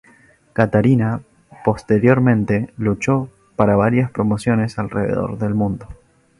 Katarina posteriormente luchó para varias promociones alrededor del mundo.